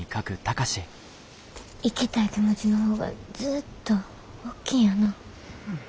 行きたい気持ちの方がずっとおっきいんやな。